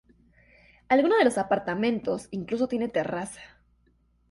Alguno de los apartamentos incluso tiene terraza.